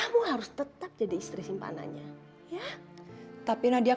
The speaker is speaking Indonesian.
berubah jadi libur